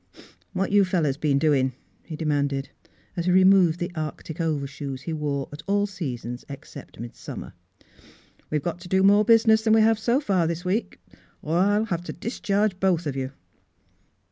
'•What you fellows been doin'?" he demanded, as he removed the arctic over shoes he wore at all seasons except mid summer. " We got t' do more business than we have so far this week, or I'll have t' discharge both of you."